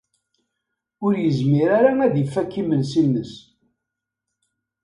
Ur yezmir ara ad ifakk imensi-ines.